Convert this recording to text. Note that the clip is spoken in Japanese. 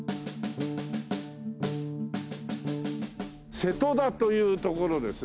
瀬戸田という所ですね。